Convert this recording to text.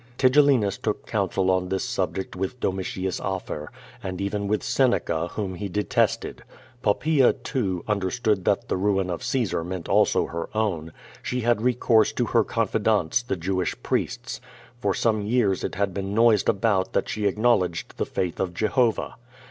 Tigellinus took counsel on this subject with Domitius Afer, and even with Seneca, whom he detested. Poppaea, too, un derstood that the ruin of Caesar meant also her own. She had recourse to her confidants, the Jewish priests. For some years it had been noised about that she acknowledged the faith of Jehovah.